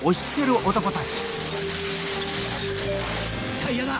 タイヤだ！